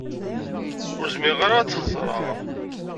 Ur zmireɣ ara ad tt-xezzṛeɣ.